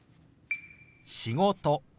「仕事」。